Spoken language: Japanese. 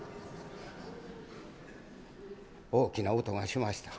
「大きな音がしました」。